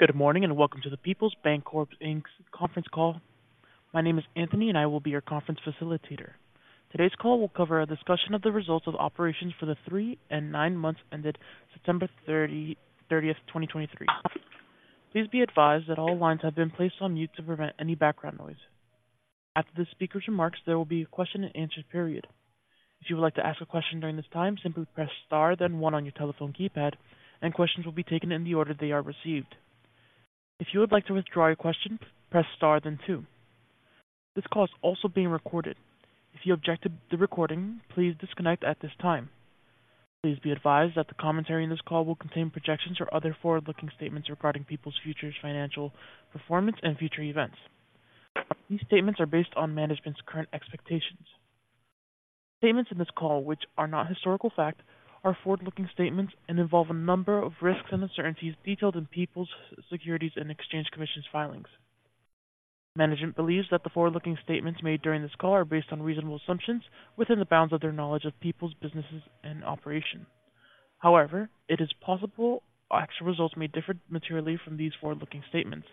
Good morning, and welcome to the Peoples Bancorp Inc's conference call. My name is Anthony, and I will be your conference facilitator. Today's call will cover a discussion of the results of operations for the three and nine months ended September 30, 2023. Please be advised that all lines have been placed on mute to prevent any background noise. After the speaker's remarks, there will be a question and answer period. If you would like to ask a question during this time, simply press Star, then one on your telephone keypad, and questions will be taken in the order they are received. If you would like to withdraw your question, press star then two. This call is also being recorded. If you object to the recording, please disconnect at this time. Please be advised that the commentary on this call will contain projections or other forward-looking statements regarding Peoples' future financial performance and future events. These statements are based on management's current expectations. Statements in this call, which are not historical fact, are forward-looking statements and involve a number of risks and uncertainties detailed in Peoples' Securities and Exchange Commission filings. Management believes that the forward-looking statements made during this call are based on reasonable assumptions within the bounds of their knowledge of Peoples' businesses and operation. However, it is possible actual results may differ materially from these forward-looking statements.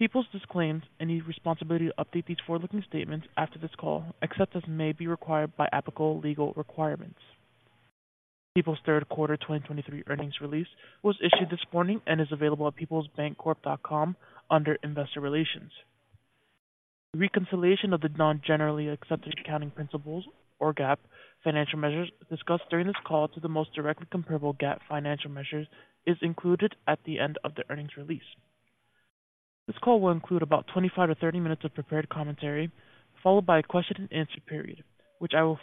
Peoples disclaims any responsibility to update these forward-looking statements after this call, except as may be required by applicable legal requirements. Peoples' third quarter 2023 earnings release was issued this morning and is available at peoplesbancorp.com under Investor Relations. Reconciliation of the non-generally accepted accounting principles or GAAP financial measures discussed during this call to the most directly comparable GAAP financial measures is included at the end of the earnings release. This call will include about 25-30 minutes of prepared commentary, followed by a question and answer period, which I will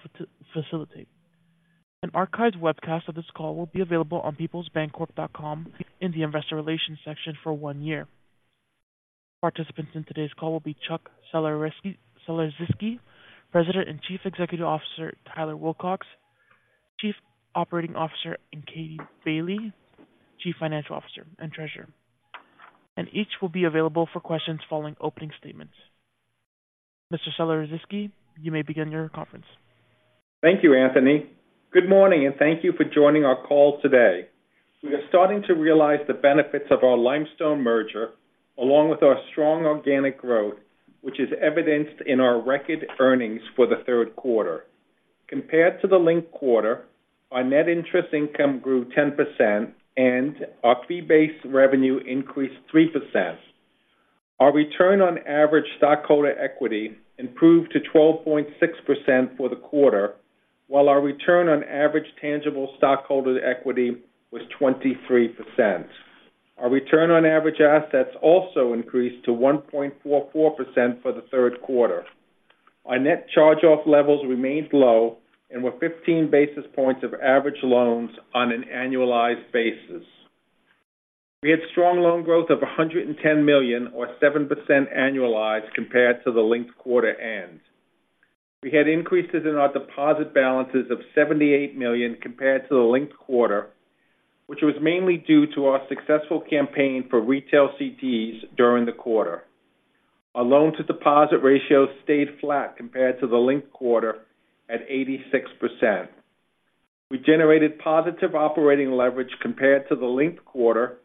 facilitate. An archived webcast of this call will be available on peoplesbancorp.com in the Investor Relations section for one year. Participants in today's call will be Chuck Sulerzyski, President and Chief Executive Officer, Tyler Wilcox, Chief Operating Officer, and Katie Bailey, Chief Financial Officer and Treasurer, and each will be available for questions following opening statements. Mr. Sulerzyski, you may begin your conference. Thank you, Anthony. Good morning and thank you for joining our call today. We are starting to realize the benefits of our Limestone merger, along with our strong organic growth, which is evidenced in our record earnings for the third quarter. Compared to the linked quarter, our net interest income grew 10% and our fee-based revenue increased 3%. Our return on average stockholder equity improved to 12.6% for the quarter, while our return on average tangible stockholder equity was 23%. Our return on average assets also increased to 1.44% for the third quarter. Our net charge-off levels remained low and were 15 basis points of average loans on an annualized basis. We had strong loan growth of $110 million or 7% annualized compared to the linked quarter end. We had increases in our deposit balances of $78 million compared to the linked quarter, which was mainly due to our successful campaign for retail CDs during the quarter. Our loan to deposit ratio stayed flat compared to the linked quarter at 86%. We generated positive operating leverage compared to the linked quarter,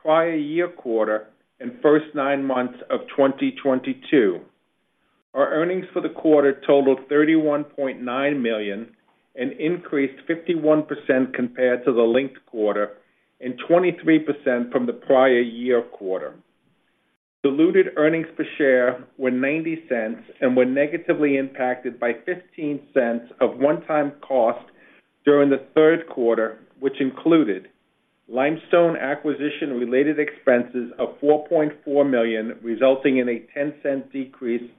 prior year quarter and first nine months of 2022. Our earnings for the quarter totaled $31.9 million and increased 51% compared to the linked quarter and 23% from the prior year quarter. Diluted earnings per share were $0.90 and were negatively impacted by $0.15 of one-time cost during the third quarter, which included Limestone acquisition-related expenses of $4.4 million, resulting in a $0.10 decrease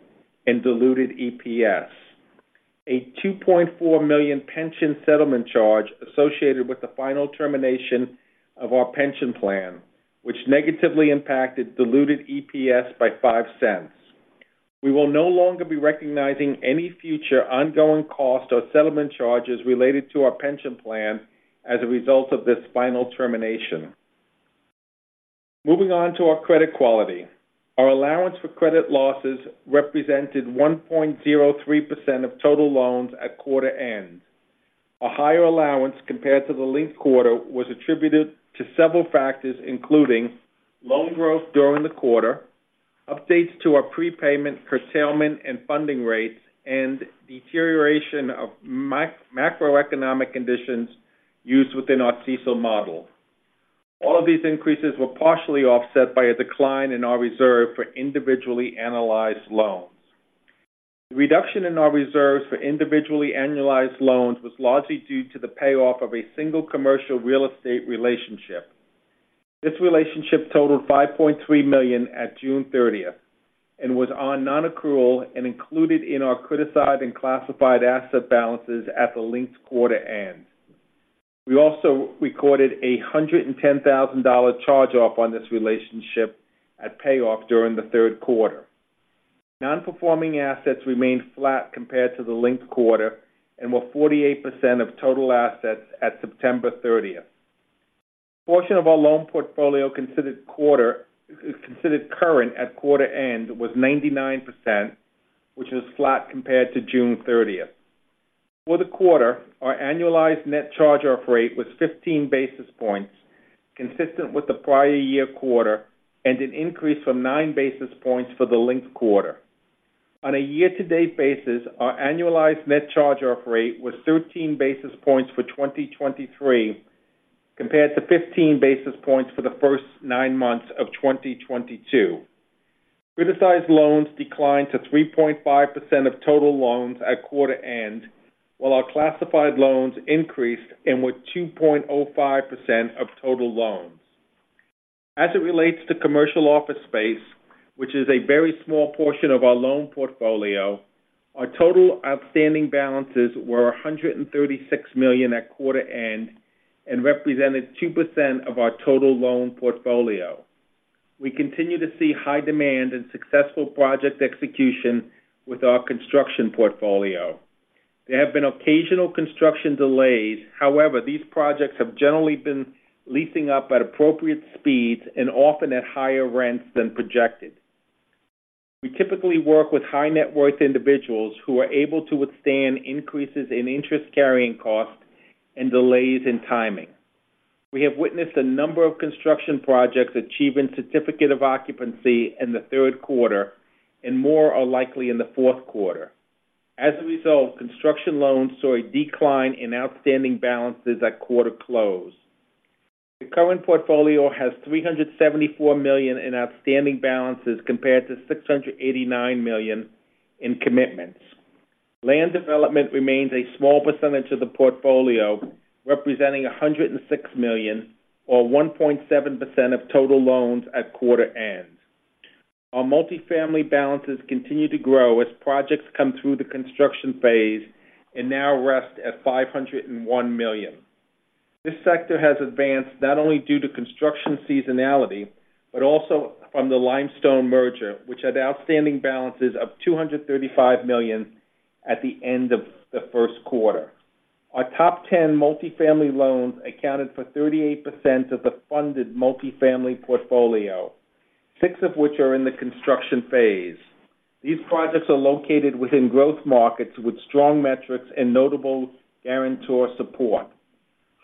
in diluted EPS. A $2.4 million pension settlement charge associated with the final termination of our pension plan, which negatively impacted diluted EPS by $0.05. We will no longer be recognizing any future ongoing costs or settlement charges related to our pension plan as a result of this final termination. Moving on to our credit quality. Our allowance for credit losses represented 1.03% of total loans at quarter end. A higher allowance compared to the linked quarter was attributed to several factors, including loan growth during the quarter, updates to our prepayment, curtailment and funding rates, and deterioration of macroeconomic conditions used within our CECL model. All of these increases were partially offset by a decline in our reserve for individually analyzed loans. The reduction in our reserves for individually analyzed loans was largely due to the payoff of a single commercial real estate relationship. This relationship totaled $5.3 million at June 30 and was on non-accrual and included in our criticized and classified asset balances at the linked quarter end. We also recorded a $110,000 charge-off on this relationship at payoff during the third quarter. Non-performing assets remained flat compared to the linked quarter and were 48% of total assets at September 30. Portion of our loan portfolio considered current at quarter end was 99%, which is flat compared to June 30.... For the quarter, our annualized net charge-off rate was 15 basis points, consistent with the prior year quarter and an increase from 9 basis points for the linked quarter. On a year-to-date basis, our annualized net charge-off rate was 13 basis points for 2023, compared to 15 basis points for the first nine months of 2022. criticized loans declined to 3.5% of total loans at quarter end, while our classified loans increased and were 2.05% of total loans. As it relates to commercial office space, which is a very small portion of our loan portfolio, our total outstanding balances were $136 million at quarter end and represented 2% of our total loan portfolio. We continue to see high demand and successful project execution with our construction portfolio. There have been occasional construction delays. However, these projects have generally been leasing up at appropriate speeds and often at higher rents than projected. We typically work with high net worth individuals who are able to withstand increases in interest carrying costs and delays in timing. We have witnessed a number of construction projects achieving Certificate of Occupancy in the third quarter, and more are likely in the fourth quarter. As a result, construction loans saw a decline in outstanding balances at quarter close. The current portfolio has $374 million in outstanding balances, compared to $689 million in commitments. Land development remains a small percentage of the portfolio, representing $106 million, or 1.7% of total loans at quarter end. Our multifamily balances continue to grow as projects come through the construction phase and now rest at $501 million. This sector has advanced not only due to construction seasonality, but also from the Limestone merger, which had outstanding balances of $235 million at the end of the first quarter. Our top 10 multifamily loans accounted for 38% of the funded multifamily portfolio, six of which are in the construction phase. These projects are located within growth markets with strong metrics and notable guarantor support.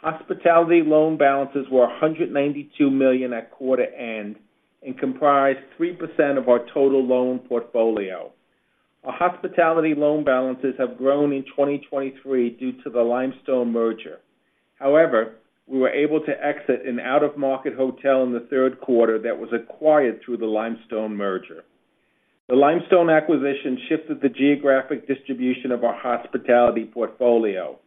Hospitality loan balances were $192 million at quarter end and comprised 3% of our total loan portfolio. Our hospitality loan balances have grown in 2023 due to the Limestone merger. However, we were able to exit an out-of-market hotel in the third quarter that was acquired through the Limestone merger. The Limestone acquisition shifted the geographic distribution of our hospitality portfolio.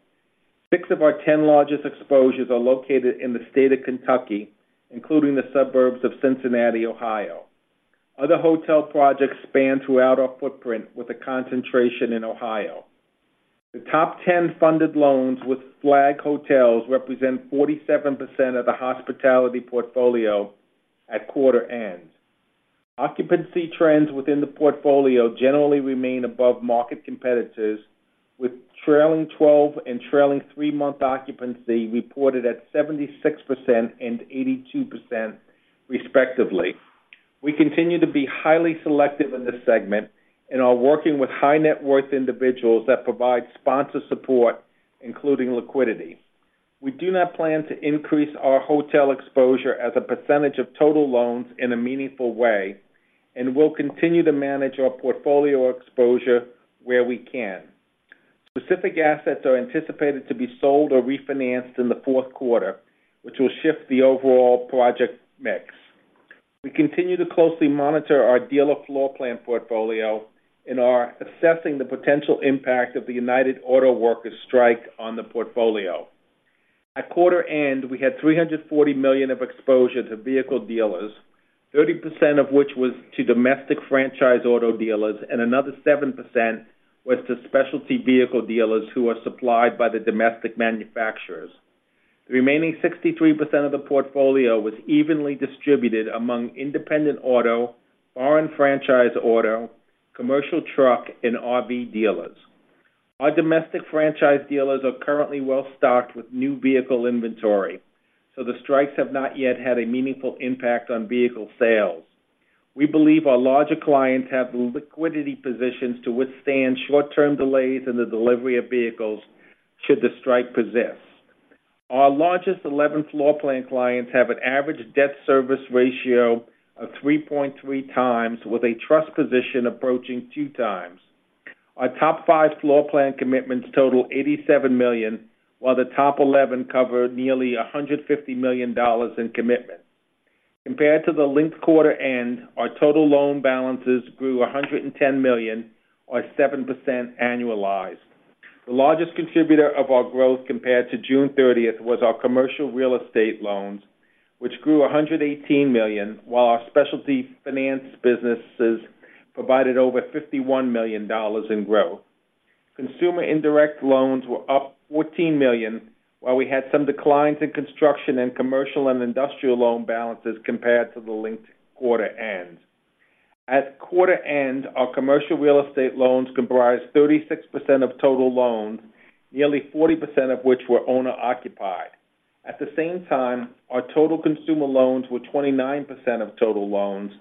Six of our 10 largest exposures are located in the state of Kentucky, including the suburbs of Cincinnati, Ohio. Other hotel projects span throughout our footprint, with a concentration in Ohio. The top ten funded loans with flag hotels represent 47% of the hospitality portfolio at quarter end. Occupancy trends within the portfolio generally remain above market competitors, with trailing twelve and trailing three-month occupancy reported at 76% and 82%, respectively. We continue to be highly selective in this segment and are working with high net worth individuals that provide sponsor support, including liquidity. We do not plan to increase our hotel exposure as a percentage of total loans in a meaningful way, and we'll continue to manage our portfolio exposure where we can. Specific assets are anticipated to be sold or refinanced in the fourth quarter, which will shift the overall project mix. We continue to closely monitor our dealer floorplan portfolio and are assessing the potential impact of the United Auto Workers strike on the portfolio. At quarter end, we had $340 million of exposure to vehicle dealers, 30% of which was to domestic franchise auto dealers, and another 7% was to specialty vehicle dealers who are supplied by the domestic manufacturers. The remaining 63% of the portfolio was evenly distributed among independent auto, foreign franchise auto, commercial truck, and RV dealers. Our domestic franchise dealers are currently well stocked with new vehicle inventory, so the strikes have not yet had a meaningful impact on vehicle sales. We believe our larger clients have the liquidity positions to withstand short-term delays in the delivery of vehicles should the strike persist. Our largest 11 floorplan clients have an average debt service ratio of 3.3 times, with a trust position approaching two times. Our top five floorplan commitments total $87 million, while the top 11 cover nearly $150 million in commitments. Compared to the linked quarter end, our total loan balances grew $110 million, or 7% annualized. The largest contributor of our growth compared to June 30th, was our commercial real estate loans, which grew $118 million, while our specialty finance businesses provided over $51 million in growth. Consumer indirect loans were up $14 million, while we had some declines in construction and commercial and industrial loan balances compared to the linked quarter end. At quarter end, our commercial real estate loans comprised 36% of total loans, nearly 40% of which were owner-occupied.... At the same time, our total consumer loans were 29% of total loans.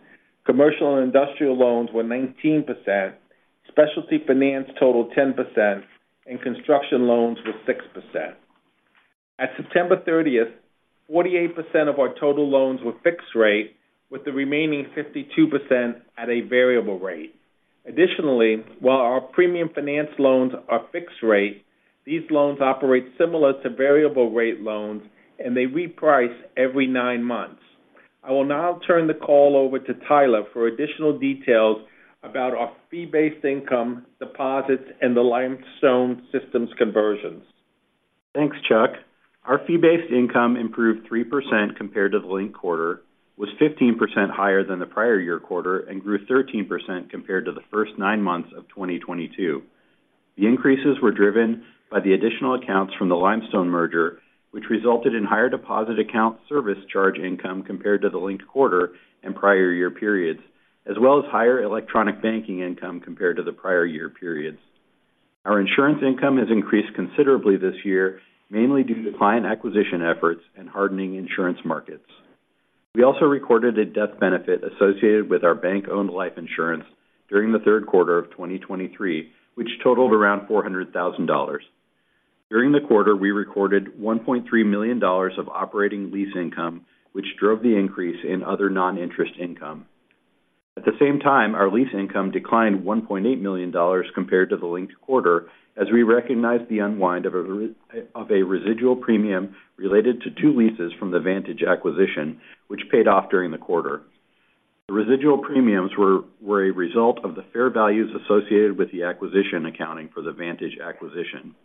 Commercial and industrial loans were 19%, specialty finance totaled 10%, and construction loans were 6%. At September 30, 48% of our total loans were fixed rate, with the remaining 52% at a variable rate. Additionally, while our premium finance loans are fixed rate, these loans operate similar to variable rate loans, and they reprice every nine months. I will now turn the call over to Tyler for additional details about our fee-based income, deposits, and the Limestone systems conversions. Thanks, Chuck. Our fee-based income improved 3% compared to the linked quarter, was 15% higher than the prior year quarter, and grew 13% compared to the first nine months of 2022. The increases were driven by the additional accounts from the Limestone merger, which resulted in higher deposit account service charge income compared to the linked quarter and prior year periods, as well as higher electronic banking income compared to the prior year periods. Our insurance income has increased considerably this year, mainly due to client acquisition efforts and hardening insurance markets. We also recorded a death benefit associated with our bank-owned life insurance during the third quarter of 2023, which totaled around $400,000. During the quarter, we recorded $1.3 million of operating lease income, which drove the increase in other non-interest income. At the same time, our lease income declined $1.8 million compared to the linked quarter, as we recognized the unwind of a residual premium related to two leases from the Vantage acquisition, which paid off during the quarter. The residual premiums were a result of the fair values associated with the acquisition accounting for the Vantage acquisition.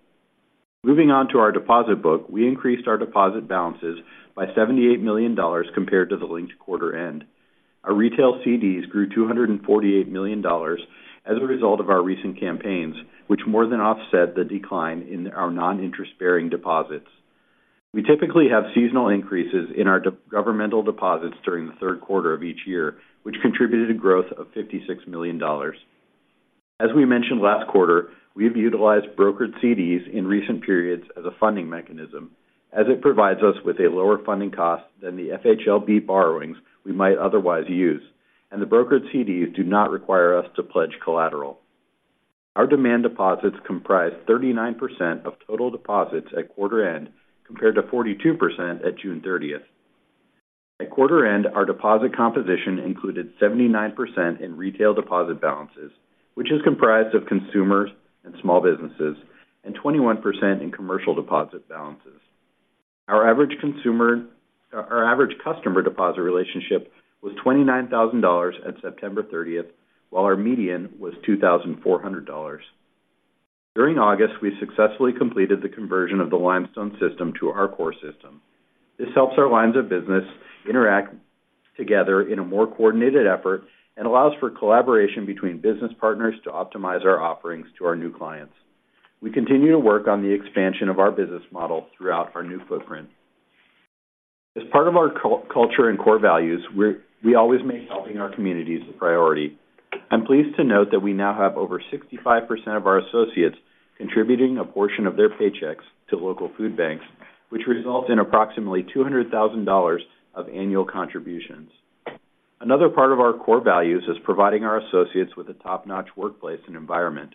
Moving on to our deposit book, we increased our deposit balances by $78 million compared to the linked quarter end. Our retail CDs grew $248 million as a result of our recent campaigns, which more than offset the decline in our non-interest-bearing deposits. We typically have seasonal increases in our governmental deposits during the third quarter of each year, which contributed to growth of $56 million. As we mentioned last quarter, we've utilized brokered CDs in recent periods as a funding mechanism, as it provides us with a lower funding cost than the FHLB borrowings we might otherwise use, and the brokered CDs do not require us to pledge collateral. Our demand deposits comprise 39% of total deposits at quarter end, compared to 42% at June 30. At quarter end, our deposit composition included 79% in retail deposit balances, which is comprised of consumers and small businesses, and 21% in commercial deposit balances. Our average customer deposit relationship was $29,000 at September 30, while our median was $2,400. During August, we successfully completed the conversion of the Limestone system to our core system. This helps our lines of business interact together in a more coordinated effort and allows for collaboration between business partners to optimize our offerings to our new clients. We continue to work on the expansion of our business model throughout our new footprint. As part of our culture and core values, we always make helping our communities a priority. I'm pleased to note that we now have over 65% of our associates contributing a portion of their paychecks to local food banks, which results in approximately $200,000 of annual contributions. Another part of our core values is providing our associates with a top-notch workplace and environment.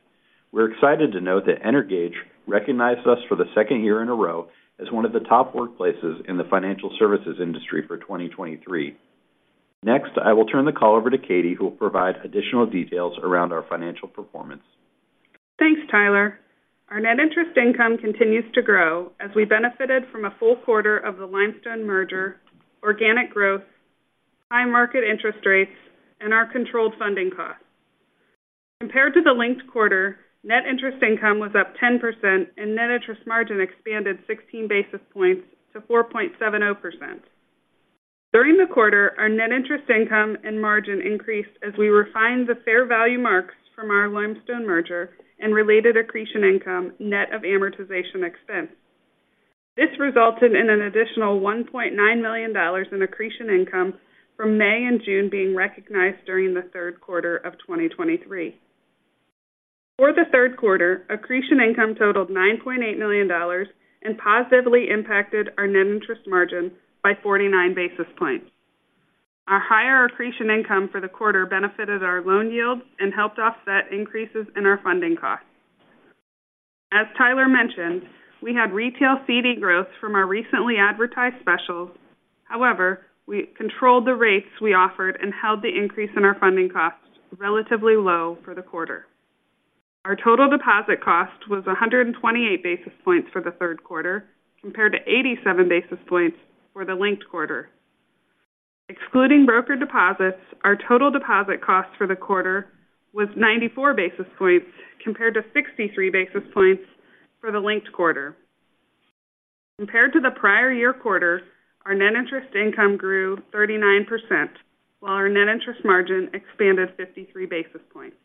We're excited to note that Energage recognized us for the second year in a row as one of the top workplaces in the financial services industry for 2023. Next, I will turn the call over to Katie, who will provide additional details around our financial performance. Thanks, Tyler. Our net interest income continues to grow as we benefited from a full quarter of the Limestone merger, organic growth, high market interest rates, and our controlled funding costs. Compared to the linked quarter, net interest income was up 10% and net interest margin expanded 16 basis points to 4.70%. During the quarter, our net interest income and margin increased as we refined the fair value marks from our Limestone merger and related accretion income, net of amortization expense. This resulted in an additional $1.9 million in accretion income from May and June being recognized during the third quarter of 2023. For the third quarter, accretion income totaled $9.8 million and positively impacted our net interest margin by 49 basis points. Our higher accretion income for the quarter benefited our loan yields and helped offset increases in our funding costs. As Tyler mentioned, we had retail CD growth from our recently advertised specials. However, we controlled the rates we offered and held the increase in our funding costs relatively low for the quarter. Our total deposit cost was 128 basis points for the third quarter, compared to 87 basis points for the linked quarter. Excluding brokered deposits, our total deposit cost for the quarter was 94 basis points, compared to 63 basis points for the linked quarter. Compared to the prior year quarter, our net interest income grew 39%, while our net interest margin expanded 53 basis points.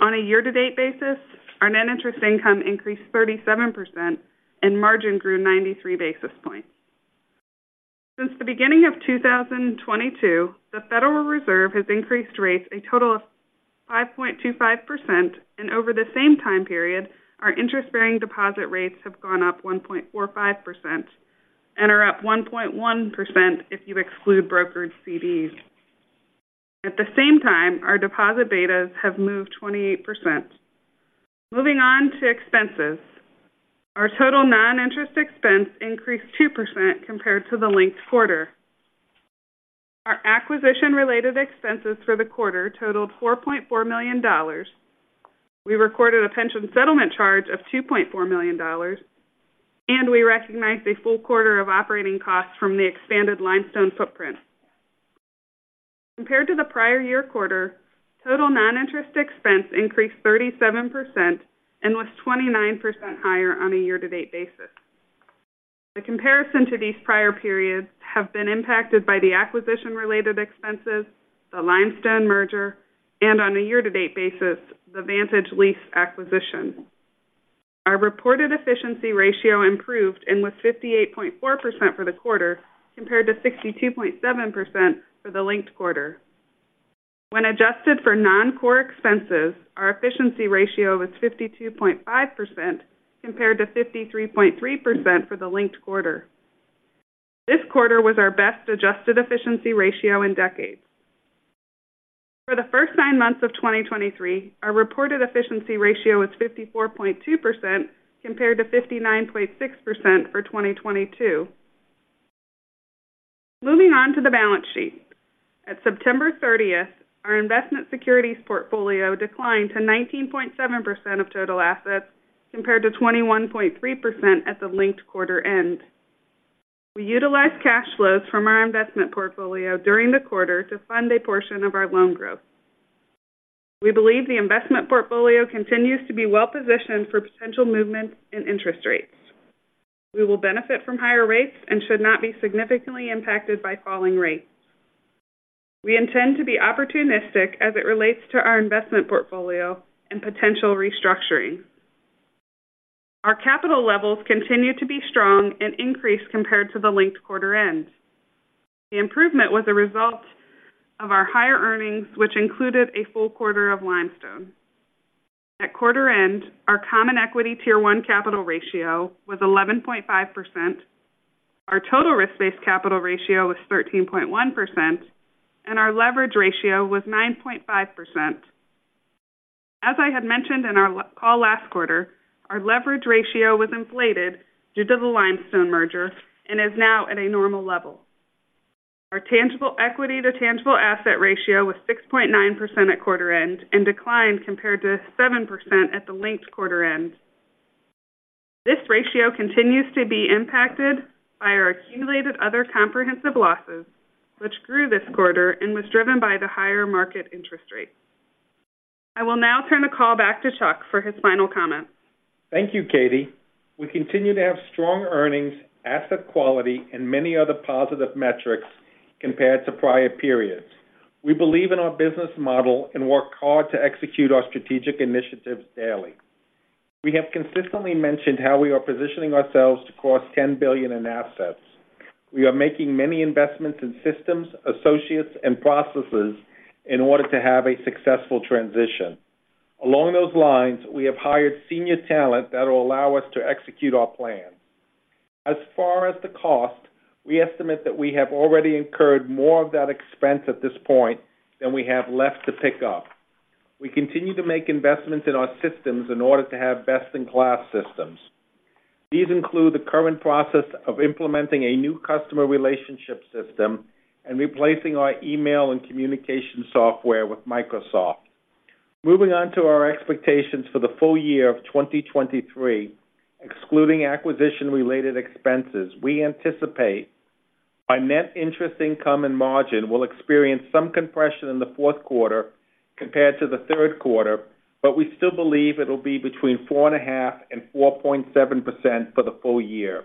On a year-to-date basis, our net interest income increased 37% and margin grew 93 basis points.... Since the beginning of 2022, the Federal Reserve has increased rates a total of 5.25%, and over the same time period, our interest-bearing deposit rates have gone up 1.45% and are up 1.1% if you exclude brokered CDs. At the same time, our deposit betas have moved 28%. Moving on to expenses. Our total non-interest expense increased 2% compared to the linked quarter. Our acquisition-related expenses for the quarter totaled $4.4 million. We recorded a pension settlement charge of $2.4 million, and we recognized a full quarter of operating costs from the expanded Limestone footprint. Compared to the prior year quarter, total non-interest expense increased 37% and was 29% higher on a year-to-date basis. The comparison to these prior periods have been impacted by the acquisition-related expenses, the Limestone merger, and on a year-to-date basis, the Vantage lease acquisition. Our reported efficiency ratio improved and was 58.4% for the quarter, compared to 62.7% for the linked quarter. When adjusted for non-core expenses, our efficiency ratio was 52.5%, compared to 53.3% for the linked quarter. This quarter was our best adjusted efficiency ratio in decades. For the first nine months of 2023, our reported efficiency ratio was 54.2%, compared to 59.6% for 2022. Moving on to the balance sheet. At September 30th, our investment securities portfolio declined to 19.7% of total assets, compared to 21.3% at the linked quarter end. We utilized cash flows from our investment portfolio during the quarter to fund a portion of our loan growth. We believe the investment portfolio continues to be well-positioned for potential movements in interest rates. We will benefit from higher rates and should not be significantly impacted by falling rates. We intend to be opportunistic as it relates to our investment portfolio and potential restructuring. Our capital levels continue to be strong and increased compared to the linked quarter end. The improvement was a result of our higher earnings, which included a full quarter of Limestone. At quarter end, our Common Equity Tier One capital ratio was 11.5%, our total risk-based capital ratio was 13.1%, and our leverage ratio was 9.5%. As I had mentioned in our call last quarter, our leverage ratio was inflated due to the Limestone merger and is now at a normal level. Our tangible equity to tangible asset ratio was 6.9% at quarter end and declined compared to 7% at the linked quarter end. This ratio continues to be impacted by our accumulated other comprehensive losses, which grew this quarter and was driven by the higher market interest rates. I will now turn the call back to Chuck for his final comments. Thank you, Katie. We continue to have strong earnings, asset quality, and many other positive metrics compared to prior periods. We believe in our business model and work hard to execute our strategic initiatives daily. We have consistently mentioned how we are positioning ourselves to cross $10 billion in assets. We are making many investments in systems, associates, and processes in order to have a successful transition. Along those lines, we have hired senior talent that will allow us to execute our plans. As far as the cost, we estimate that we have already incurred more of that expense at this point than we have left to pick up. We continue to make investments in our systems in order to have best-in-class systems. These include the current process of implementing a new customer relationship system and replacing our email and communication software with Microsoft. Moving on to our expectations for the full year of 2023. Excluding acquisition-related expenses, we anticipate our net interest income and margin will experience some compression in the fourth quarter compared to the third quarter, but we still believe it'll be between 4.5% and 4.7% for the full year.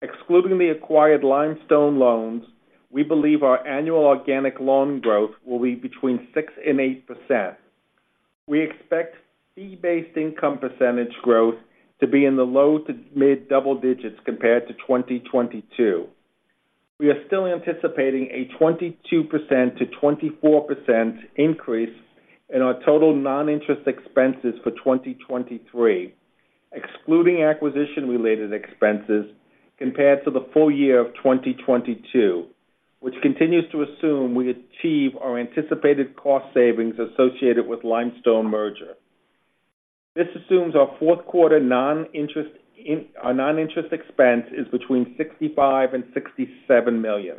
Excluding the acquired Limestone loans, we believe our annual organic loan growth will be between 6% and 8%. We expect fee-based income percentage growth to be in the low to mid double digits compared to 2022. We are still anticipating a 22%-24% increase in our total non-interest expenses for 2023, excluding acquisition-related expenses, compared to the full year of 2022, which continues to assume we achieve our anticipated cost savings associated with Limestone merger. This assumes our fourth quarter non-interest expense is between $65 million-$67 million.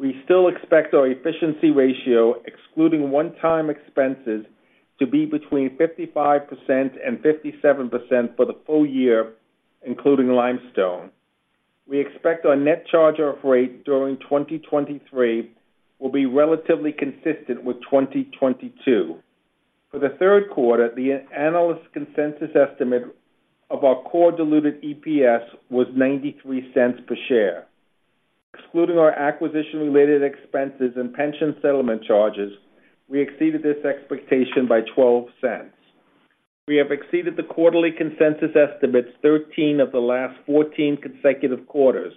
We still expect our efficiency ratio, excluding one-time expenses, to be between 55%-57% for the full year, including Limestone. We expect our net charge-off rate during 2023 will be relatively consistent with 2022. For the third quarter, the analyst consensus estimate of our core diluted EPS was $0.93 per share. Excluding our acquisition-related expenses and pension settlement charges, we exceeded this expectation by $0.12.... We have exceeded the quarterly consensus estimates 13 of the last 14 consecutive quarters.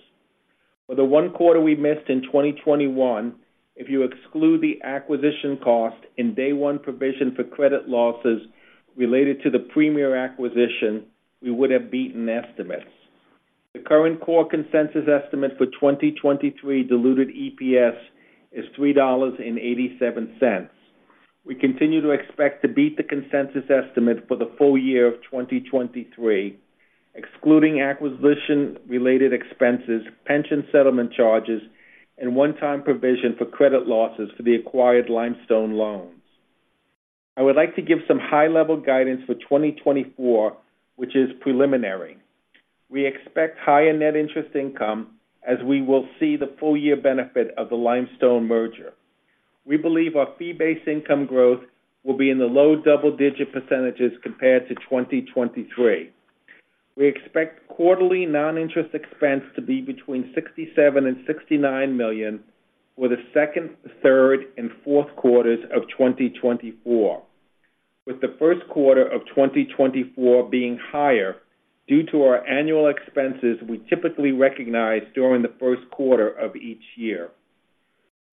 For the one quarter we missed in 2021, if you exclude the acquisition cost and day one provision for credit losses related to the Premier acquisition, we would have beaten estimates. The current core consensus estimate for 2023 diluted EPS is $3.87. We continue to expect to beat the consensus estimate for the full year of 2023, excluding acquisition-related expenses, pension settlement charges, and one-time provision for credit losses for the acquired Limestone loans. I would like to give some high-level guidance for 2024, which is preliminary. We expect higher net interest income as we will see the full year benefit of the Limestone merger. We believe our fee-based income growth will be in the low double-digit percentages compared to 2023. We expect quarterly non-interest expense to be between $67 million and $69 million for the second, third, and fourth quarters of 2024, with the first quarter of 2024 being higher due to our annual expenses we typically recognize during the first quarter of each year.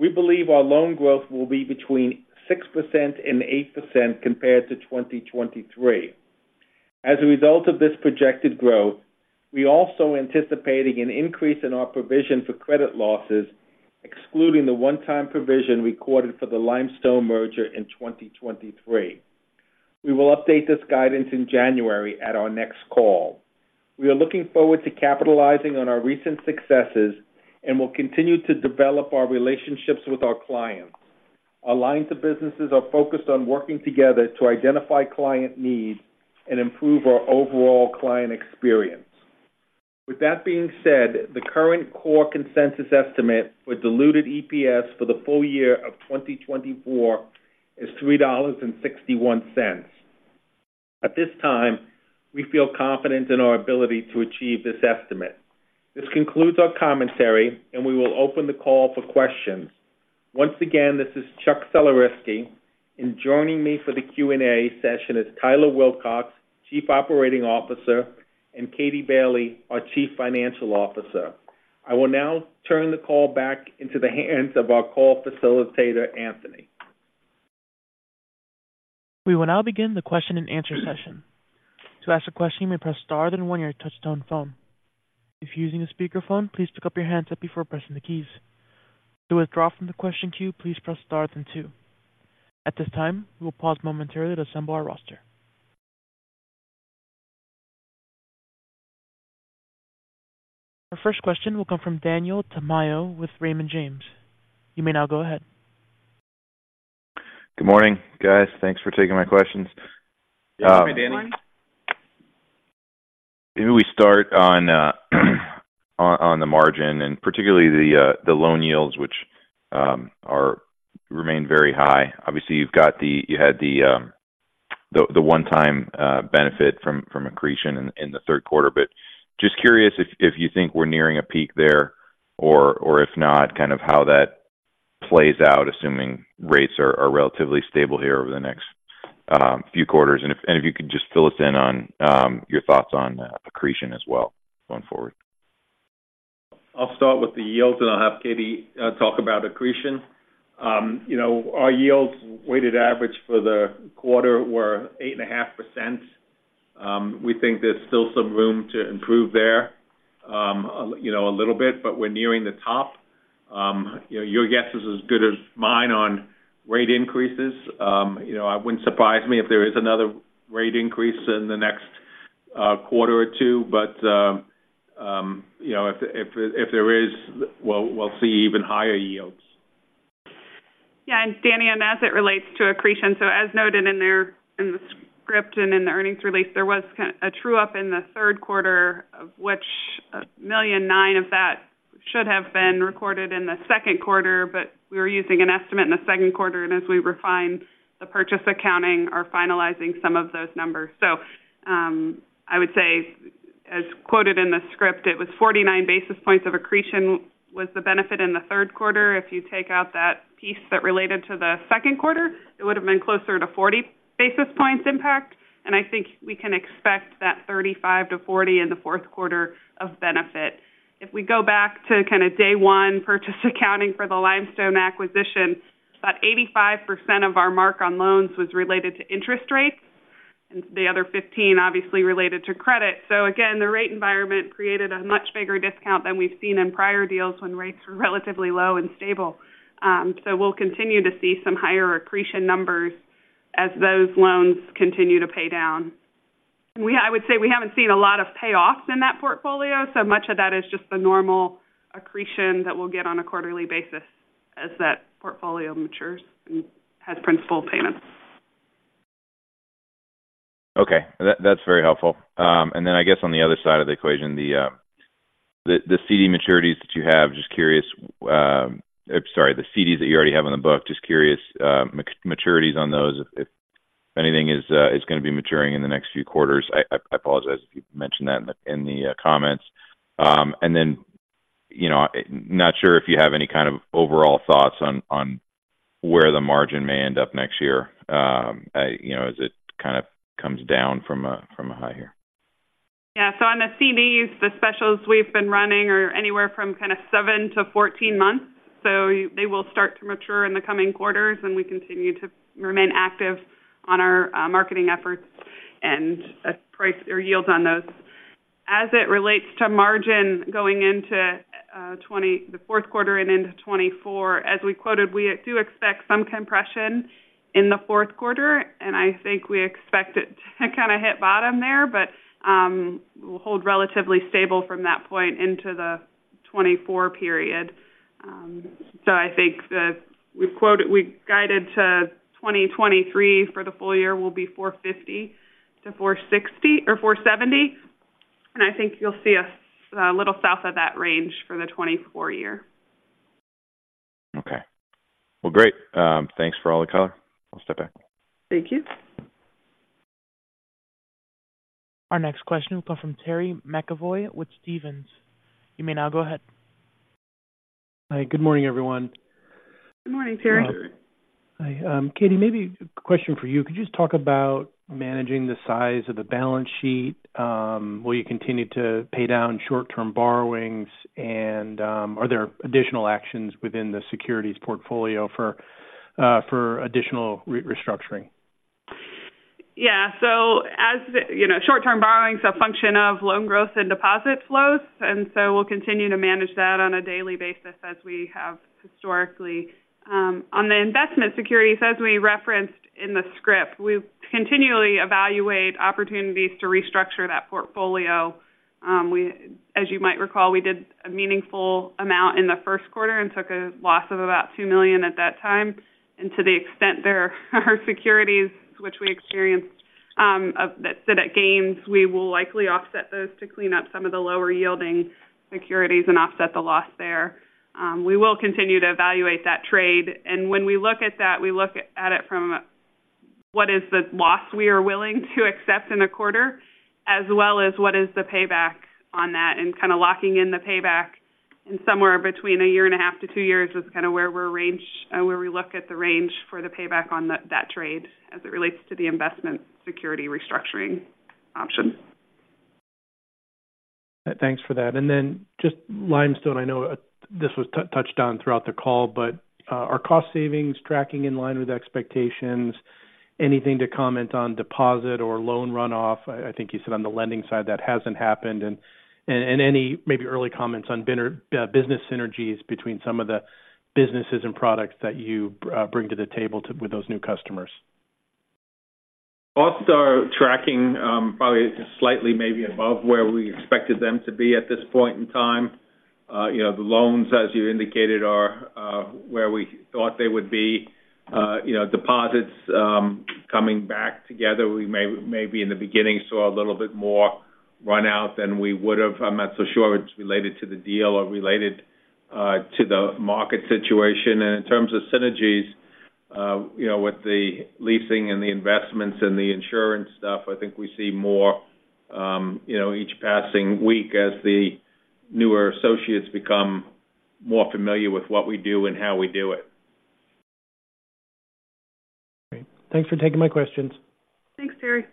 We believe our loan growth will be between 6% and 8% compared to 2023. As a result of this projected growth, we're also anticipating an increase in our provision for credit losses, excluding the one-time provision recorded for the Limestone merger in 2023. We will update this guidance in January at our next call. We are looking forward to capitalizing on our recent successes and will continue to develop our relationships with our clients. Our lines of businesses are focused on working together to identify client needs and improve our overall client experience. With that being said, the current core consensus estimate for diluted EPS for the full year of 2024 is $3.61. At this time, we feel confident in our ability to achieve this estimate. This concludes our commentary, and we will open the call for questions. Once again, this is Chuck Sulerzyski, and joining me for the Q&A session is Tyler Wilcox, Chief Operating Officer, and Katie Bailey, our Chief Financial Officer. I will now turn the call back into the hands of our call facilitator, Anthony. We will now begin the question and answer session. To ask a question, you may press star then one on your touchtone phone. If you're using a speakerphone, please pick up your handset before pressing the keys. To withdraw from the question queue, please press star then two. At this time, we will pause momentarily to assemble our roster. Our first question will come from Daniel Tamayo with Raymond James. You may now go ahead. Good morning, guys. Thanks for taking my questions. Good morning, Danny. Maybe we start on the margin and particularly the loan yields, which remain very high. Obviously, you had the one-time benefit from accretion in the third quarter. But just curious if you think we're nearing a peak there, or if not, kind of how that plays out, assuming rates are relatively stable here over the next few quarters. And if you could just fill us in on your thoughts on accretion as well going forward. I'll start with the yields, and I'll have Katie talk about accretion. You know, our yields weighted average for the quarter were 8.5%. We think there's still some room to improve there, you know, a little bit, but we're nearing the top. Your guess is as good as mine on rate increases. You know, it wouldn't surprise me if there is another rate increase in the next quarter or two, but you know, if there is, we'll see even higher yields. Yeah, and Danny, and as it relates to accretion, so as noted in there in the script and in the earnings release, there was a true-up in the third quarter, of which $1.9 million of that should have been recorded in the second quarter, but we were using an estimate in the second quarter, and as we refine the purchase accounting, are finalizing some of those numbers. So, I would say, as quoted in the script, it was 49 basis points of accretion was the benefit in the third quarter. If you take out that piece that related to the second quarter, it would have been closer to 40 basis points impact, and I think we can expect that 35-40 in the fourth quarter of benefit. If we go back to kind of day one purchase accounting for the Limestone acquisition, about 85% of our mark on loans was related to interest rates and the other 15 obviously related to credit. So again, the rate environment created a much bigger discount than we've seen in prior deals when rates were relatively low and stable. So we'll continue to see some higher accretion numbers as those loans continue to pay down. I would say we haven't seen a lot of payoffs in that portfolio, so much of that is just the normal accretion that we'll get on a quarterly basis as that portfolio matures and has principal payments. Okay, that's very helpful. And then I guess on the other side of the equation, the CD maturities that you have, just curious. I'm sorry, the CDs that you already have on the book, just curious, maturities on those, if anything is going to be maturing in the next few quarters. I apologize if you've mentioned that in the comments. And then you know, not sure if you have any kind of overall thoughts on where the margin may end up next year, you know, as it kind of comes down from a high here. Yeah. So on the CDs, the specials we've been running are anywhere from kind of 7-14 months. So they will start to mature in the coming quarters, and we continue to remain active on our marketing efforts and pricing or yields on those. As it relates to margin going into the fourth quarter and into 2024, as we quoted, we do expect some compression in the fourth quarter, and I think we expect it to kind of hit bottom there. But, we'll hold relatively stable from that point into the 2024 period. So I think we've guided to 2023 for the full year will be 4.50-4.60, or 4.70, and I think you'll see us a little south of that range for the 2024 year. Okay. Well, great. Thanks for all the color. I'll step back. Thank you. Our next question will come from Terry McEvoy with Stephens. You may now go ahead. Hi. Good morning, everyone. Good morning, Terry. Hi, Katie, maybe a question for you. Could you just talk about managing the size of the balance sheet? Will you continue to pay down short-term borrowings, and, are there additional actions within the securities portfolio for additional restructuring? Yeah. So as the, you know, short-term borrowing is a function of loan growth and deposit flows, and so we'll continue to manage that on a daily basis, as we have historically. On the investment securities, as we referenced in the script, we continually evaluate opportunities to restructure that portfolio. We, as you might recall, we did a meaningful amount in the first quarter and took a loss of about $2 million at that time. And to the extent there are securities which we experienced, that sit at gains, we will likely offset those to clean up some of the lower-yielding securities and offset the loss there. We will continue to evaluate that trade, and when we look at that, we look at it from what is the loss we are willing to accept in a quarter, as well as what is the payback on that, and kind of locking in the payback in somewhere between 1.5-2 years is kind of where we're range, where we look at the range for the payback on the, that trade as it relates to the investment security restructuring option. Thanks for that. And then just Limestone, I know this was touched on throughout the call, but are cost savings tracking in line with expectations? Anything to comment on deposit or loan runoff? I think you said on the lending side, that hasn't happened. And any maybe early comments on business synergies between some of the businesses and products that you bring to the table to with those new customers. Costs are tracking, probably just slightly, maybe above where we expected them to be at this point in time. You know, the loans, as you indicated, are where we thought they would be. You know, deposits coming back together. We maybe in the beginning saw a little bit more run out than we would have. I'm not so sure if it's related to the deal or related to the market situation. And in terms of synergies, you know, with the leasing and the investments and the insurance stuff, I think we see more, you know, each passing week as the newer associates become more familiar with what we do and how we do it. Great. Thanks for taking my questions. Thanks, Terry.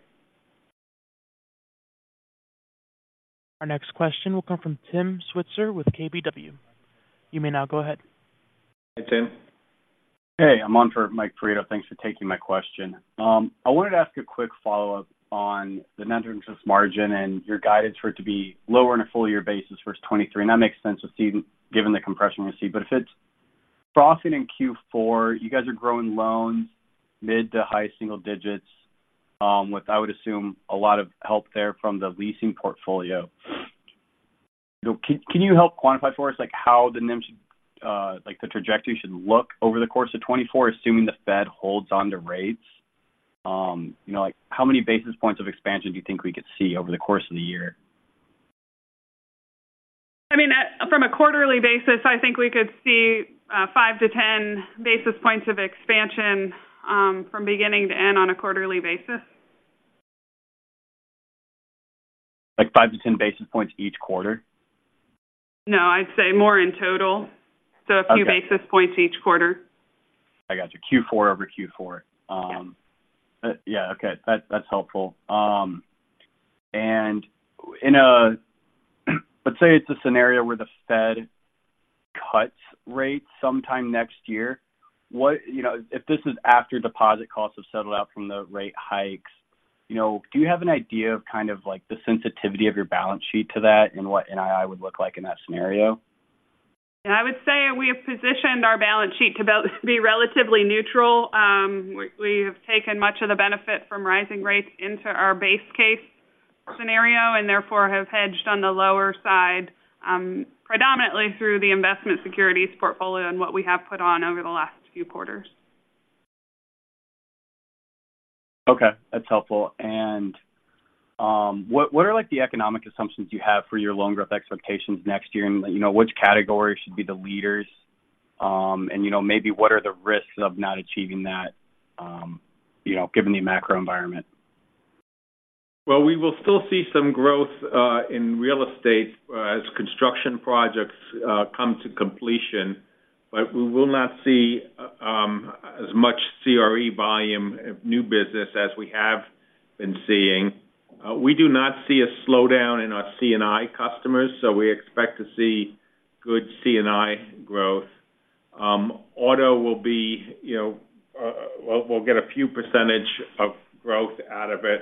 Our next question will come from Tim Switzer with KBW. You may now go ahead. Hi, Tim. Hey, I'm on for Mike Perito. Thanks for taking my question. I wanted to ask a quick follow-up on the net interest margin and your guidance for it to be lower on a full year basis versus 2023, and that makes sense to see, given the compression we see. But if it's crossing in Q4, you guys are growing loans mid- to high-single digits, with, I would assume, a lot of help there from the leasing portfolio. You know, can, can you help quantify for us, like, how the NIM should, like the trajectory, should look over the course of 2024, assuming the Fed holds on to rates? You know, like, how many basis points of expansion do you think we could see over the course of the year? I mean, from a quarterly basis, I think we could see, 5-10 basis points of expansion, from beginning to end on a quarterly basis. Like 5-10 basis points each quarter? No, I'd say more in total. Okay. A few basis points each quarter. I got you. Q4 over Q4. Yeah. Yeah. Okay. That's helpful. And in a, let's say it's a scenario where the Fed cuts rates sometime next year. What... you know, if this is after deposit costs have settled out from the rate hikes, you know, do you have an idea of kind of, like, the sensitivity of your balance sheet to that and what NII would look like in that scenario? I would say we have positioned our balance sheet to be relatively neutral. We have taken much of the benefit from rising rates into our base case scenario, and therefore, have hedged on the lower side, predominantly through the investment securities portfolio and what we have put on over the last few quarters. Okay, that's helpful. And, what are like the economic assumptions you have for your loan growth expectations next year, and you know, which categories should be the leaders? And you know, maybe what are the risks of not achieving that, you know, given the macro environment?... Well, we will still see some growth in real estate as construction projects come to completion, but we will not see as much CRE volume of new business as we have been seeing. We do not see a slowdown in our C&I customers, so we expect to see good C&I growth. Auto will be, you know, we'll get a few percentage of growth out of it.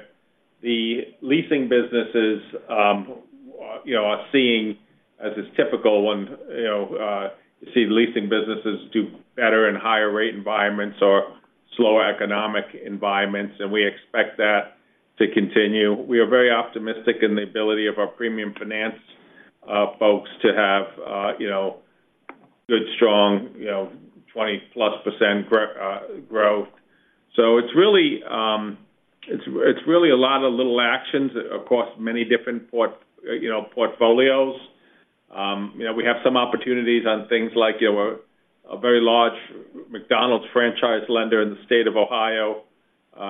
The leasing businesses, you know, are seeing as is typical when, you know, you see the leasing businesses do better in higher rate environments or slower economic environments, and we expect that to continue. We are very optimistic in the ability of our premium finance folks to have, you know, good, strong, you know, 20%+ growth. So it's really a lot of little actions across many different port... you know, portfolios. You know, we have some opportunities on things like, you know, a very large McDonald's franchise lender in the state of Ohio.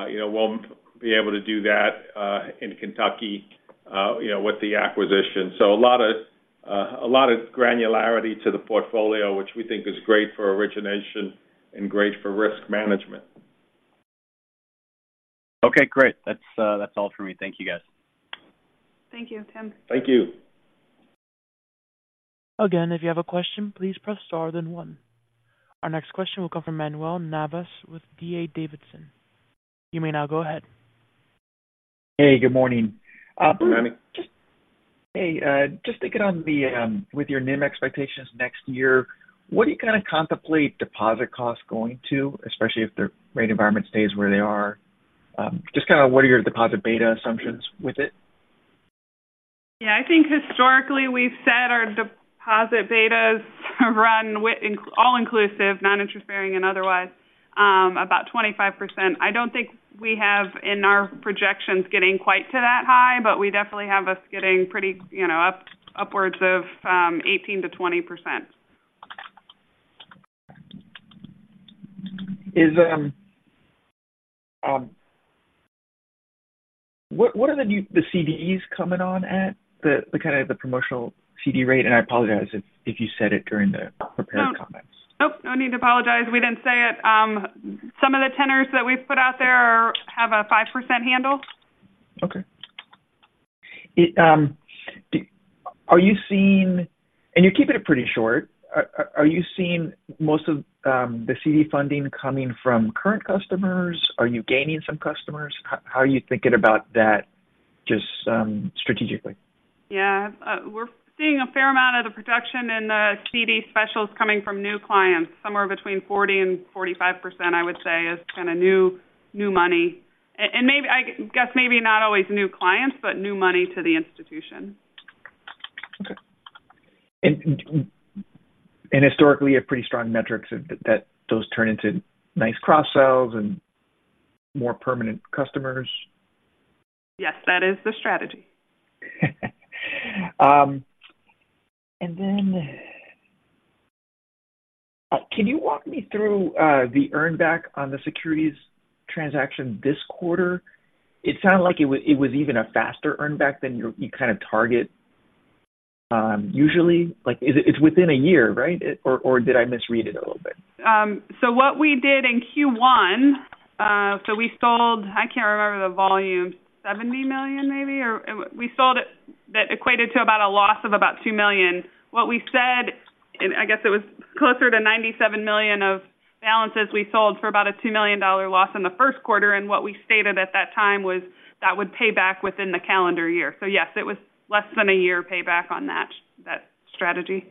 You know, we'll be able to do that in Kentucky, you know, with the acquisition. So a lot of a lot of granularity to the portfolio, which we think is great for origination and great for risk management. Okay, great. That's all for me. Thank you, guys. Thank you, Tim. Thank you. Again, if you have a question, please press star, then one. Our next question will come from Manuel Navas with D.A. Davidson. You may now go ahead. Hey, good morning. Good morning. Hey, just thinking on the, with your NIM expectations next year, what do you kind of contemplate deposit costs going to, especially if the rate environment stays where they are? Just kind of what are your deposit beta assumptions with it? Yeah, I think historically we've said our deposit betas run with all inclusive, non-interest-bearing and otherwise, about 25%. I don't think we have in our projections getting quite to that high, but we definitely have us getting pretty, you know, up, upwards of, 18%-20%. What are the new -- the CDs coming on at? The promotional CD rate, and I apologize if you said it during the prepared comments. Nope. No need to apologize. We didn't say it. Some of the tenors that we've put out there are, have a 5% handle. Okay. Are you seeing... You're keeping it pretty short. Are you seeing most of the CD funding coming from current customers? Are you gaining some customers? How are you thinking about that, just strategically? Yeah. We're seeing a fair amount of the production in the CD specials coming from new clients. Somewhere between 40%-45%, I would say, is kind of new, new money. And maybe, I guess maybe not always new clients, but new money to the institution. Okay. And historically, you have pretty strong metrics that those turn into nice cross-sells and more permanent customers. Yes, that is the strategy. And then, can you walk me through the earn back on the securities transaction this quarter? It sounded like it was even a faster earn back than you kind of target usually. Like, is it within a year, right? Or did I misread it a little bit? So what we did in Q1, so we sold I can't remember the volume, $70 million, maybe? Or we sold it, that equated to about a loss of about $2 million. What we said, and I guess it was closer to $97 million of balances we sold for about a $2 million loss in the first quarter. And what we stated at that time was that would pay back within the calendar year. So yes, it was less than a year payback on that, that strategy.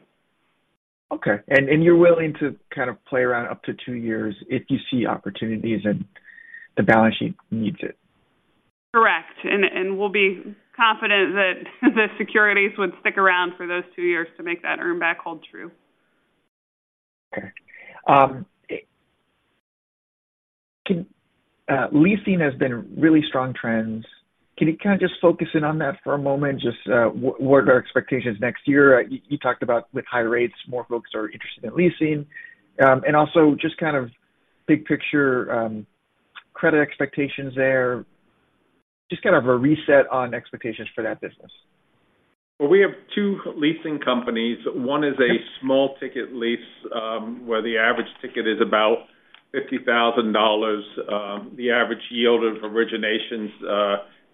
Okay. And, you're willing to kind of play around up to two years if you see opportunities and the balance sheet needs it? Correct. And we'll be confident that the securities would stick around for those two years to make that earn back hold true. Okay. Leasing has been a really strong trends. Can you kind of just focus in on that for a moment? Just, what, what are our expectations next year? You, you talked about with higher rates, more folks are interested in leasing. And also just kind of big picture, credit expectations there. Just kind of a reset on expectations for that business. Well, we have two leasing companies. One is a small-ticket lease, where the average ticket is about $50,000. The average yield of originations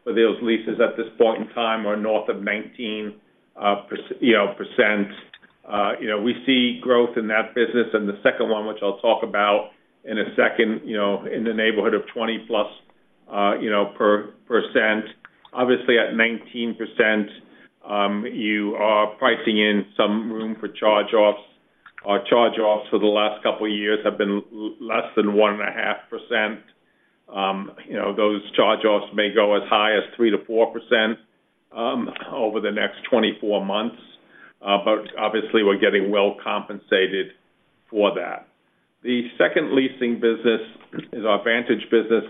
for those leases at this point in time are north of 19%, you know, percent. You know, we see growth in that business. And the second one, which I'll talk about in a second, you know, in the neighborhood of 20+, you know, percent. Obviously, at 19%, you are pricing in some room for charge-offs. Our charge-offs for the last couple of years have been less than 1.5%. You know, those charge-offs may go as high as 3%-4%, over the next 24 months. But obviously, we're getting well compensated for that. The second leasing business is our Vantage business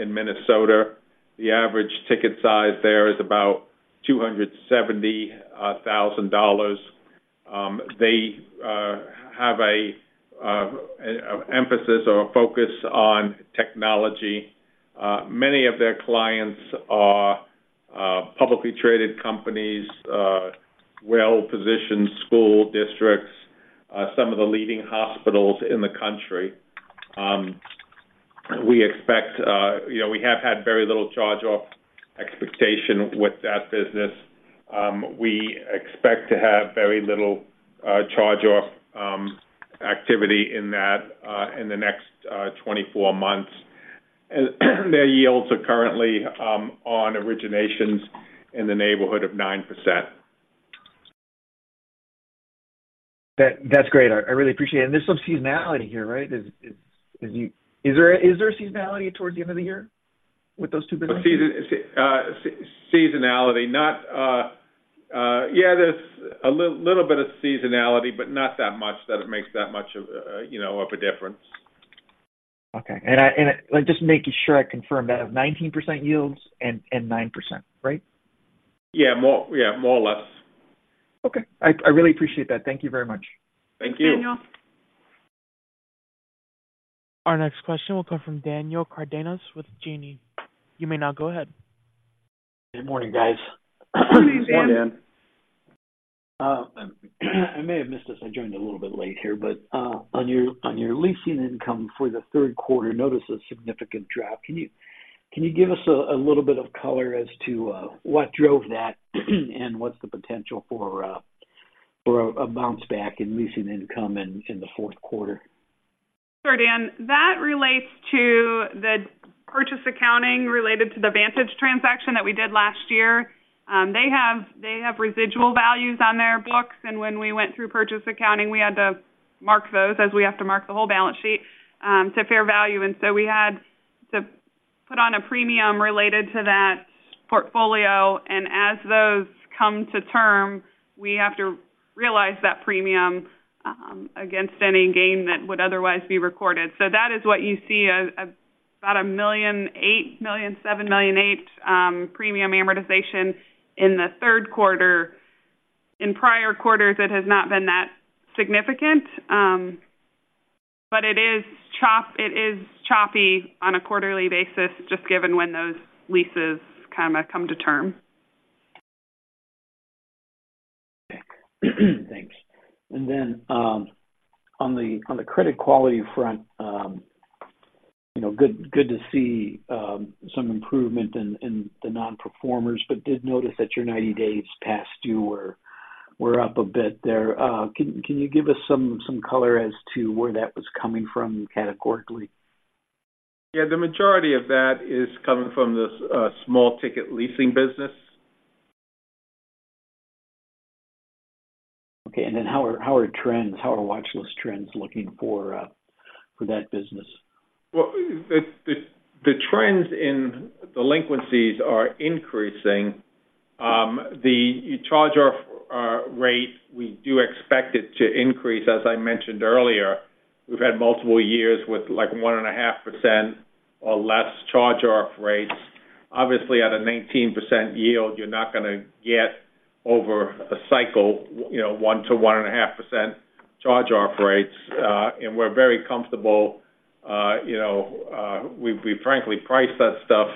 in Minnesota. The average ticket size there is about $270,000. They have a emphasis or a focus on technology. Many of their clients are publicly traded companies, well-positioned school districts, some of the leading hospitals in the country. We expect, you know, we have had very little charge-off expectation with that business. We expect to have very little charge-off activity in that in the next 24 months. And their yields are currently on originations in the neighborhood of 9%. That, that's great. I really appreciate it. There's some seasonality here, right? Is there a seasonality towards the end of the year with those two businesses? Yeah, there's a little bit of seasonality, but not that much that it makes that much of, you know, of a difference. Okay. Just making sure I confirm that, 19% yields and 9%, right? Yeah, more, yeah, more or less. Okay. I really appreciate that. Thank you very much. Thank you. Our next question will come from Daniel Cardenas with Janney. You may now go ahead. Good morning, guys. Good morning, Dan. I may have missed this. I joined a little bit late here, but on your leasing income for the third quarter, noticed a significant drop. Can you give us a little bit of color as to what drove that? And what's the potential for a bounce back in leasing income in the fourth quarter? Sure, Dan. That relates to the purchase accounting related to the Vantage transaction that we did last year. They have, they have residual values on their books, and when we went through purchase accounting, we had to mark those as we have to mark the whole balance sheet to fair value. We had to put on a premium related to that portfolio, and as those come to term, we have to realize that premium against any gain that would otherwise be recorded. That is what you see, about $1 million, $8 million, $7 million, $8 million premium amortization in the third quarter. In prior quarters, it has not been that significant. It is choppy on a quarterly basis, just given when those leases kind of come to term. Thanks. And then, on the credit quality front, you know, good to see some improvement in the non-performers. But did notice that your 90 days past due were up a bit there. Can you give us some color as to where that was coming from categorically? Yeah, the majority of that is coming from the small ticket leasing business. Okay. And then how are watchlist trends looking for that business? Well, the trends in delinquencies are increasing. The charge-off rate, we do expect it to increase. As I mentioned earlier, we've had multiple years with, like, 1.5% or less charge-off rates. Obviously, at a 19% yield, you're not gonna get over a cycle, you know, 1%-1.5% charge-off rates. And we're very comfortable, you know, we've frankly priced that stuff,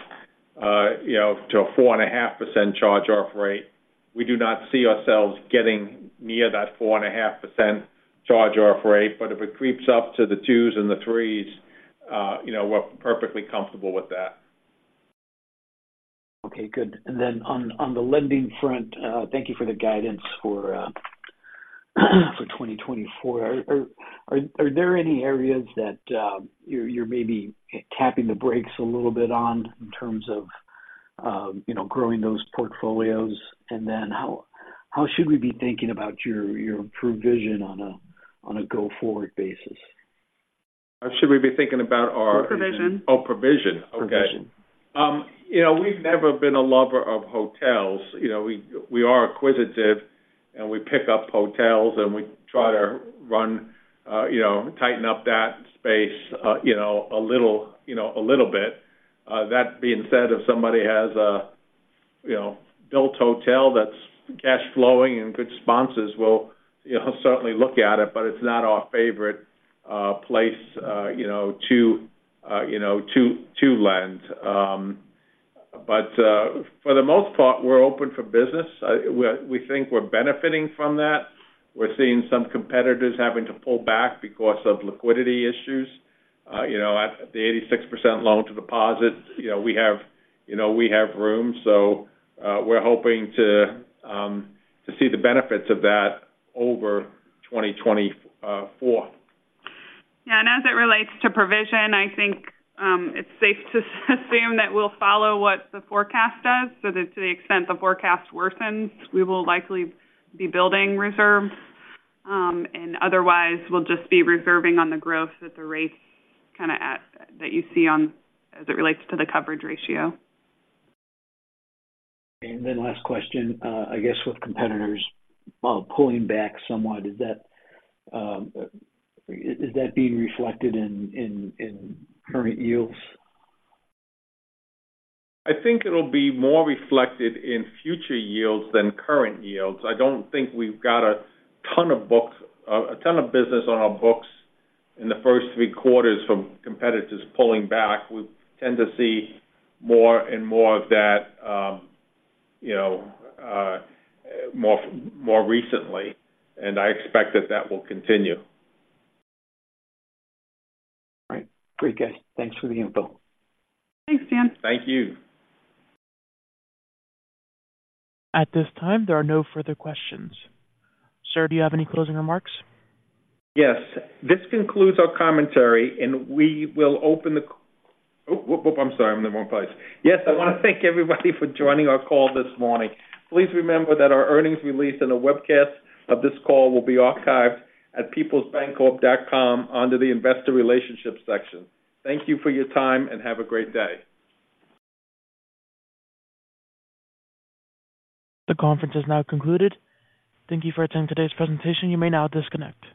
you know, to a 4.5% charge-off rate. We do not see ourselves getting near that 4.5% charge-off rate, but if it creeps up to the 2s and the 3s, you know, we're perfectly comfortable with that. Okay, good. And then on the lending front, thank you for the guidance for 2024. Are there any areas that you're maybe tapping the brakes a little bit on in terms of you know, growing those portfolios? And then how should we be thinking about your provision on a go-forward basis? How should we be thinking about our- Provision. Oh, provision. Provision. Okay. You know, we've never been a lover of hotels. You know, we are acquisitive, and we pick up hotels, and we try to run, you know, tighten up that space, you know, a little, you know, a little bit. That being said, if somebody has a, you know, built hotel that's cash flowing and good sponsors, we'll, you know, certainly look at it, but it's not our favorite, place, you know, to, you know, to lend. But, for the most part, we're open for business. We think we're benefiting from that. We're seeing some competitors having to pull back because of liquidity issues. You know, at the 86% loan to deposit, you know, we have, you know, we have room, so, we're hoping to see the benefits of that over 2024. Yeah, and as it relates to provision, I think, it's safe to assume that we'll follow what the forecast does. So to the extent the forecast worsens, we will likely be building reserves. And otherwise, we'll just be reserving on the growth at the rates kind of at, that you see on as it relates to the coverage ratio. Last question, I guess with competitors pulling back somewhat, is that being reflected in current yields? I think it'll be more reflected in future yields than current yields. I don't think we've got a ton of books, a ton of business on our books in the first three quarters from competitors pulling back. We tend to see more and more of that, you know, more recently, and I expect that that will continue. All right. Great, guys. Thanks for the info. Thanks, Dan. Thank you. At this time, there are no further questions. Sir, do you have any closing remarks? Yes, I want to thank everybody for joining our call this morning. Please remember that our earnings release and a webcast of this call will be archived at peoplesbancorp.com, under the Investor Relationship section. Thank you for your time, and have a great day. The conference is now concluded. Thank you for attending today's presentation. You may now disconnect.